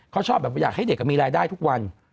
เขาชอบแบบอยากให้เด็กมีรายได้ทุกวัน